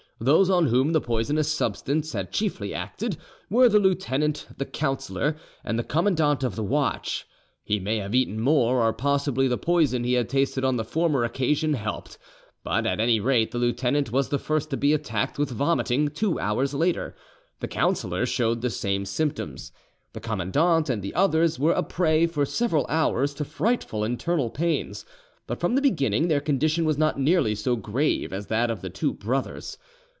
Those on whom the poisonous substance had chiefly acted were the lieutenant, the councillor, and the commandant of the watch. He may have eaten more, or possibly the poison he had tasted on the former occasion helped, but at any rate the lieutenant was the first to be attacked with vomiting two hours later, the councillor showed the same symptoms; the commandant and the others were a prey for several hours to frightful internal pains; but from the beginning their condition was not nearly so grave as that of the two brothers.